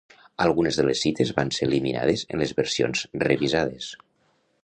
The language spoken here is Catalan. Algunes de les cites van ser eliminades en les versions revisades.